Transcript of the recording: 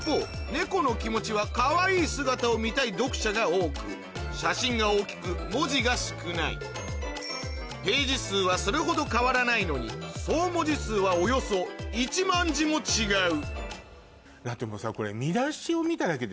『ねこのきもち』はかわいい姿を見たい読者が多く写真が大きく文字が少ないページ数はそれほど変わらないのに総文字数はおよそ１万字も違うだってもうさこれ。